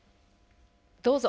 どうぞ。